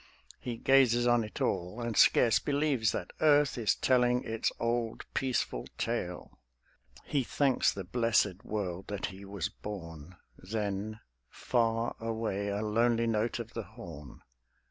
He gazes on it all, and scarce believes That earth is telling its old peaceful tale; He thanks the blessed world that he was born ... Then, far away, a lonely note of the horn.